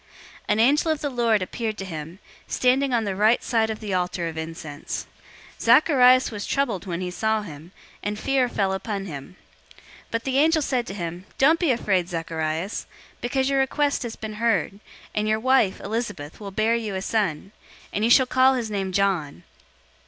001:011 An angel of the Lord appeared to him, standing on the right side of the altar of incense. 001:012 Zacharias was troubled when he saw him, and fear fell upon him. 001:013 But the angel said to him, "Don't be afraid, Zacharias, because your request has been heard, and your wife, Elizabeth, will bear you a son, and you shall call his name John.